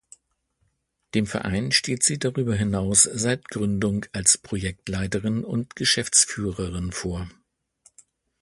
Dem Verein steht sie darüber hinaus seit Gründung als Projektleiterin und Geschäftsführerin vor.